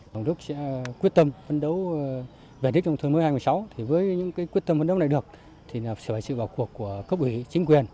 hồng đức sẽ quyết tâm vận đấu vẹn đích nông thôn mới hai nghìn một mươi sáu thì với những quyết tâm vận đấu này được thì sẽ phải sự vào cuộc của cấp ủy chính quyền